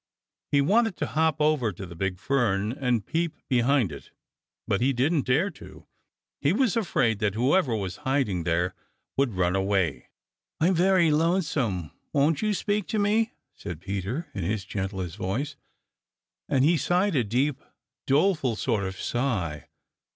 He wanted to hop over to the big fern and peep behind it, but he didn't dare to. He was afraid that whoever was hiding there would run away. "I'm very lonesome; won't you speak to me?" said Peter, in his gentlest voice, and he sighed a deep, doleful sort of sigh.